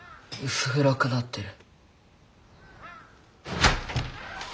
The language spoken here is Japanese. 薄暗くなってる。